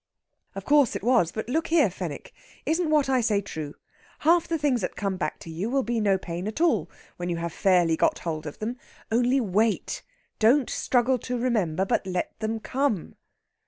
"Of course it was. But look here, Fenwick isn't what I say true? Half the things that come back to you will be no pain at all when you have fairly got hold of them. Only, wait! Don't struggle to remember, but let them come."